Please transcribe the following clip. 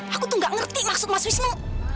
aku tuh gak ngerti maksud mas wisnu